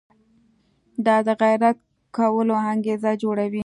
دا د غیرت کولو انګېزه جوړوي.